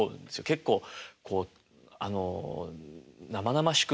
結構あの生々しく